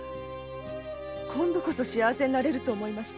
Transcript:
今度こそ幸せになれると思いました。